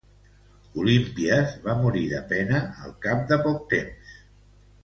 Olímpies va morir de pena al cap de poc temps.